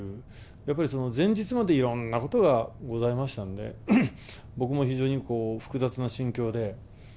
やっぱりその、前日までいろんなことがございましたんで、僕も非常に複雑な心境で。